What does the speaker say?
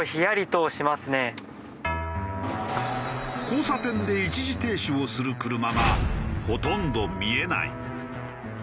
交差点で一時停止をする車がほとんど見えない。